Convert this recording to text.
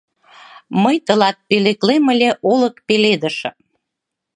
Мый тылат пӧлеклем ыле олык пеледышым